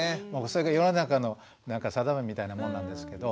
それが世の中の定めみたいなもんなんですけど。